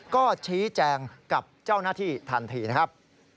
ก็ชี้แจงกับเจ้าหน้าที่ทันทีนะครับ